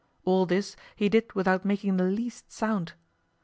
All this he did without making the least sound.